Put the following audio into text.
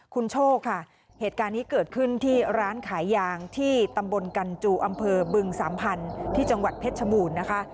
คุณโชคค่ะเหตุการณ์นี้เกิดขึ้นที่ร้านขายยางที่ตำบลกันจูอำเภอบึงสามพันธุ์ที่จังหวัดเพชรชบูรณ์นะคะ